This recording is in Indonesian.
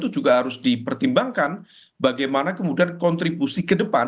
juga harus dipertimbangkan bagaimana kemudian kontribusi ke depan